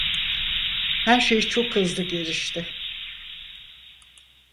Her şey çok hızlı gelişti.